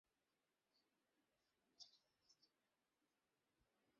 একটি খেলা কনকাকাফ বনাম এএফসি এবং অন্যটি ওএফসি বনাম কনমেবল-এর দলের মধ্যে সংগঠিত হয়েছে।